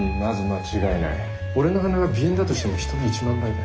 俺の鼻は鼻炎だとしても人の１万倍だ。